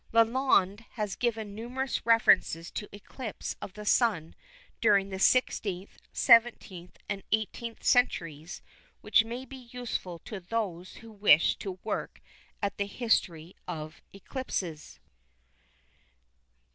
Lalande has given numerous references to eclipses of the Sun during the 16th, 17th and 18th centuries which may be useful to those who wish to work at the history of eclipses.